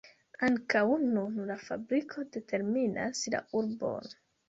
Ankaŭ nun la fabriko determinas la urbon.